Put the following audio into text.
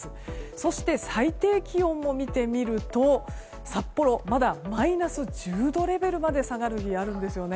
そして最低気温も見てみると札幌まだマイナス１０度レベルまで下がる日があるんです。